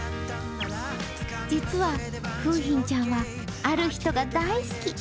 実は、楓浜ちゃんはある人が大好き。